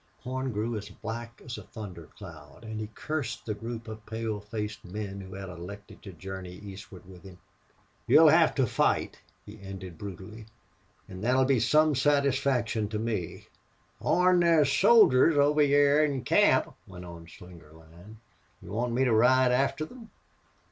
Horn grew as black as a thundercloud, and he cursed the group of pale faced men who had elected to journey eastward with him. "You'll hev to fight," he ended, brutally, "an' thet'll be some satisfaction to me." "Horn, there's soldiers over hyar in camp," went on Slingerland. "Do you want me to ride after them?"